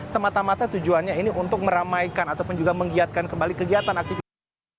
semata mata tujuannya ini untuk meramaikan ataupun juga menggiatkan kembali kegiatan aktivitas